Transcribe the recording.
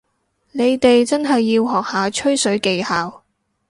你哋真係要學下吹水技巧